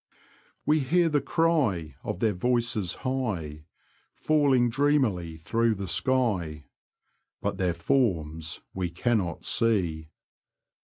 We hear the cry Of their voices high, FaUing dreamily through the sky ; But their forms we cannot see.